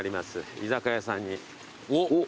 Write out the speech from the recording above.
居酒屋さん。